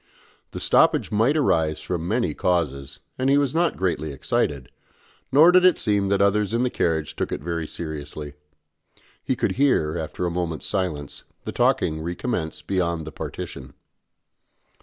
The stoppage might arise from many causes, and he was not greatly excited, nor did it seem that others in the carriage took it very seriously; he could hear, after a moment's silence, the talking recommence beyond the partition.